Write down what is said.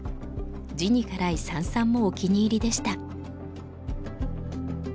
地に辛い三々もお気に入りでした。